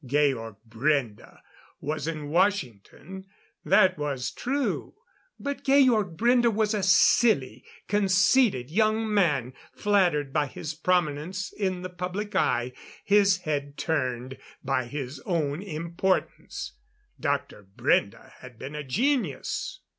Georg Brende was in Washington that was true. But Georg Brende was a silly, conceited young man, flattered by his prominence in the public eye, his head turned by his own importance. Dr. Brende had been a genius.